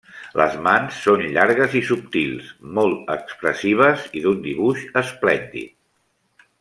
Les mans són llargues i subtils, molt expressives i d'un dibuix esplèndid.